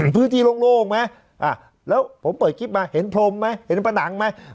พื้นที่โล่งมั้ยแล้วผมเปิดคลิปมาเห็นพรมมั้ยเห็นผนังมั้ย